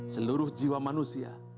seluruh jiwa manusia